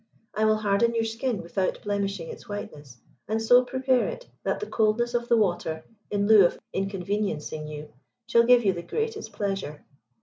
I will harden your skin without blemishing its whiteness, and so prepare it, that the coldness of the water, in lieu of inconveniencing you, shall give you the greatest pleasure.